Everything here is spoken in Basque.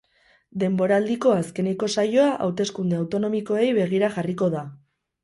Denboraldiko azkeneko saioa hauteskunde autonomikoei begira jarriko da.